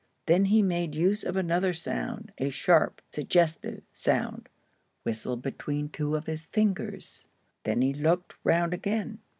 Then he made use of another sound,—a sharp, suggestive sound, whistled between two of his fingers. Then he looked round again.